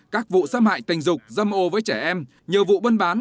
các vụ xâm hại tình dục dâm ô với trẻ em nhiều vụ bân bán